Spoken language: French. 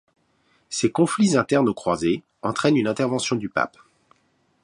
Ces conflits internes aux croisés entraînent une intervention du pape.